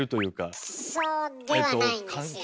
あそうではないんですよ。